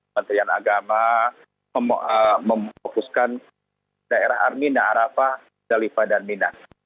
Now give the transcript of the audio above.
menteri agama memfokuskan daerah armin arafah jalifah dan mina